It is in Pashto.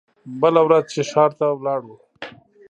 بله ورځ چې ښار ته لاړو.